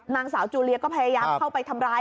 นางสาวจูเลียก็พยายามเข้าไปทำร้าย